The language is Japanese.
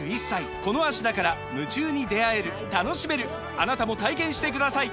あなたも体験してください！